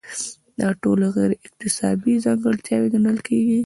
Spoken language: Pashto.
دا ټولې غیر اکتسابي ځانګړتیاوې ګڼل کیږي.